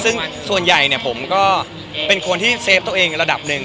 ซึ่งส่วนใหญ่ผมก็เป็นคนที่เซฟตัวเองระดับหนึ่ง